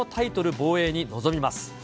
防衛に臨みます。